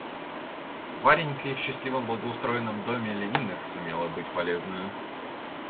Варенька и в счастливом благоустроенном доме Левиных сумела быть полезною.